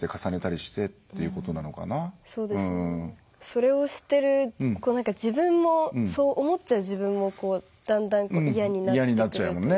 それをしてる自分もそう思っちゃう自分もだんだん嫌になってくるというか。